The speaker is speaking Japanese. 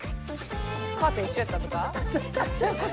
カーテン一緒やったとか？